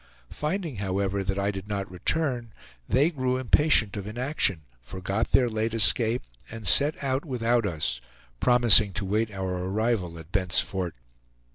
Finding, however, that I did not return, they grew impatient of inaction, forgot their late escape, and set out without us, promising to wait our arrival at Bent's Fort.